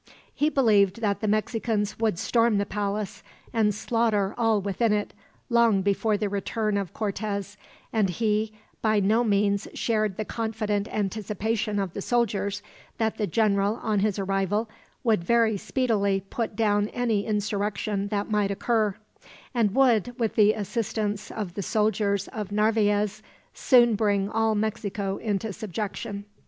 He believed that the Mexicans would storm the palace, and slaughter all within it, long before the return of Cortez; and he by no means shared the confident anticipation of the soldiers, that the general, on his arrival, would very speedily put down any insurrection that might occur; and would, with the assistance of the soldiers of Narvaez, soon bring all Mexico into subjection.